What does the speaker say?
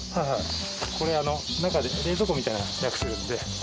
これあの中で冷蔵庫みたいな役するんで。